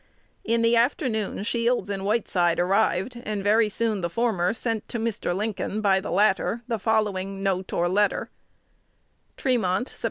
In the afternoon Shields and Whiteside arrived, and very soon the former sent to Mr. Lincoln by the latter the following note or letter: Tremont, Sept.